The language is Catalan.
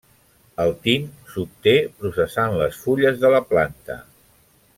El tint s'obté processant les fulles de la planta.